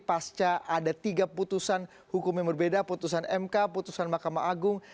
pasca ada tiga putusan hukum yang berbeda putusan mk putusan mahkamah agung